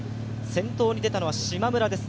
先頭に出たのはしまむらです。